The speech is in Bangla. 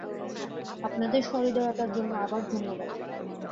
আপনাদের সহৃদয়তার জন্য আবার ধন্যবাদ।